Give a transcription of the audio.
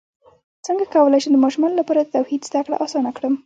څنګه کولی شم د ماشومانو لپاره د توحید زدکړه اسانه کړم